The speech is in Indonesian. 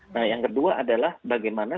nah yang kedua adalah bagaimana